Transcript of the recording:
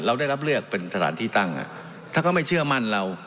เราได้รับเลือกเป็นสถานที่ตั้งถ้าเขาไม่เชื่อมั่นเรา